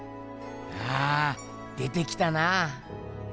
ああ出てきたなぁ。